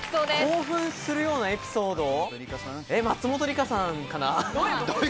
興奮するようなエピソード、松本梨香さんかな。